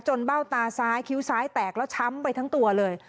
เบ้าตาซ้ายคิ้วซ้ายแตกแล้วช้ำไปทั้งตัวเลย